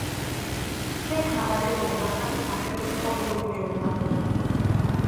შეიქმნა ვალერიან ბაქრაძის სახელობის კოლმეურნეობა.